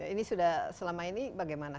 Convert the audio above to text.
ini sudah selama ini bagaimana